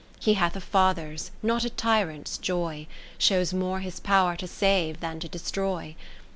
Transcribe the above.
He hath a father's, not a tyrant's, joy ; Shows more His pow'r to save, than to destroy.